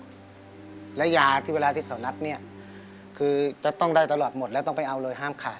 แล้วยาที่เวลาที่เขานัดเนี่ยคือจะต้องได้ตลอดหมดแล้วต้องไปเอาเลยห้ามขาด